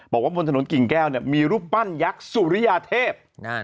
บอกว่าบนถนนกิ่งแก้วมีรูปปั้นยักษ์สุริยาเทพ